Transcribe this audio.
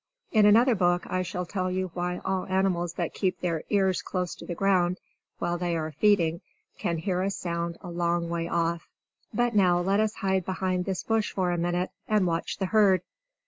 In another book I shall tell you why all animals that keep their ears close to the ground while they are feeding can hear a sound a long way off. But now let us hide behind this bush for a minute, and watch the herd.